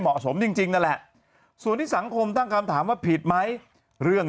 จริงนั่นแหละส่วนที่สังคมตั้งคำถามว่าผิดไหมเรื่อง